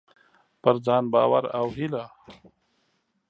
پر ځان باور او هيله: